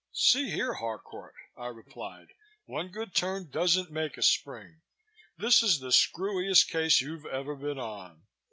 "See here, Harcourt," I replied. "One good turn doesn't make a spring. This is the screwiest case you've ever been on.